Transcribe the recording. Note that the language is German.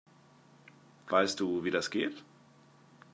Weißt du, wie das geht?